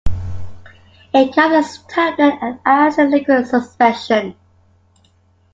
It comes as a tablet and as a liquid suspension.